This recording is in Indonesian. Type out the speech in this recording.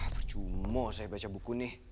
percuma saya baca buku nih